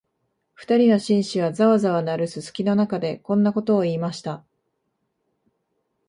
二人の紳士は、ざわざわ鳴るすすきの中で、こんなことを言いました